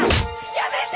やめて！